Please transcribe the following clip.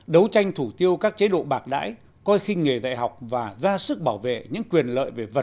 đấu tranh thủ tiêu các chế độ bạc đãi coi khinh nghề dạy học và ra sức bảo vệ những quyền lợi về vật